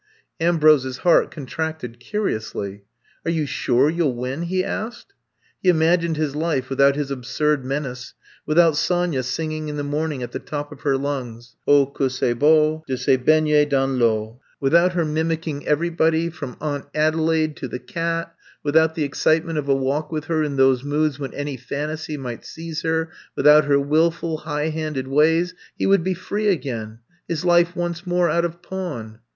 '* Ambrose's heart contracted curiously. Are you sure you 11 winf he asked. He imagined his life without his absurd menace, without Sonya singing in the morn ing at the top of her lungs : 176 I'VE COMB TO STAY Oh, que s'est beau De se baigner dans I'eau. Without her mimicking everybody, from Aunt Adelaide to the cat — ^without the ex citement of a walk with her in those moods when any phantasy might seize her — with out her wilful, high handed ways, he would be free again, his life once more out of pawn.